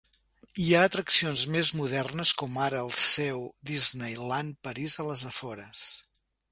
Hi ha atraccions més modernes com ara el seu Disneyland París a les afores.